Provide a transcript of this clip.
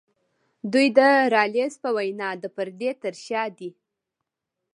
دوی د رالز په وینا د پردې تر شا دي.